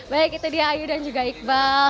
baik itu dia ayu dan juga iqbal